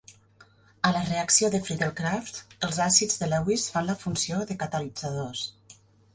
A la reacció de Friedel-Crafts, els àcids de Lewis fan la funció de catalitzadors.